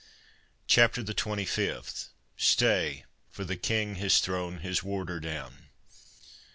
CHAPTER THE TWENTY FIFTH. Stay—for the King has thrown his warder down.